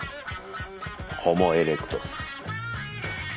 ホモ・エレクトス。